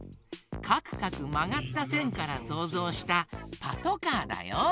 かくかくまがったせんからそうぞうした「パトカー」だよ。